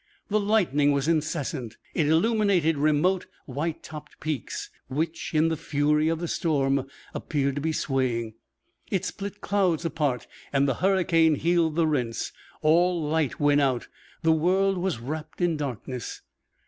The lightning was incessant. It illuminated remote, white topped peaks, which, in the fury of the storm, appeared to be swaying. It split clouds apart, and the hurricane healed the rents. All light went out. The world was wrapped in darkness.